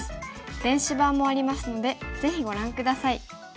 電子版もありますのでぜひご覧下さい。